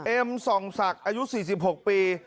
เอ็มส่องศักดิ์อายุ๔๖ปี